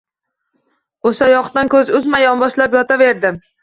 O‘sha yoqdan ko‘z uzmay, yonboshlab yotaverdim